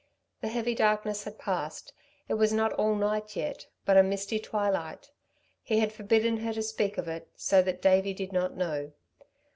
The heavy darkness had passed. It was not all night yet, but a misty twilight. He had forbidden her to speak of it, so that Davey did not know.